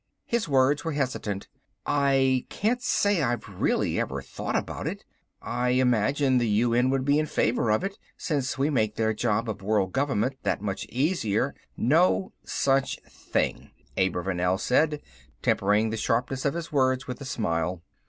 His words were hesitant. "I can't say I've really ever thought about it. I imagine the UN would be in favor of it, since we make their job of world government that much easier " "No such thing," Abravanel said, tempering the sharpness of his words with a smile.